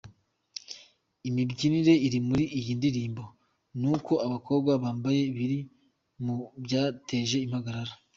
Imibyinire iri muri iyi ndirimbo nuko abakobwa bambaye biri mu byateje impagarara.